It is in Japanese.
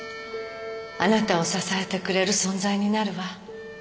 あなたを支えてくれる存在になるわ